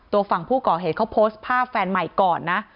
ตัวฝั่งผู้ก่อเหตุเขาโพสต์ภาพแฟนใหม่ก่อนนะ